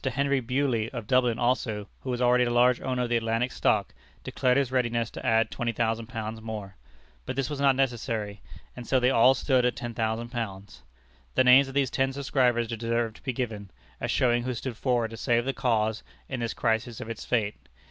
Henry Bewley, of Dublin also, who was already a large owner of the Atlantic stock, declared his readiness to add £20,000 more. But this was not necessary: and so they all stood at £10,000. The names of these ten subscribers deserve to be given, as showing who stood forward to save the cause in this crisis of its fate.